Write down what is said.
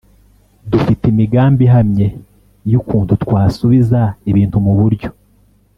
Dufite imigambi ihamye y’ukuntu twasubiza ibintu mu buryo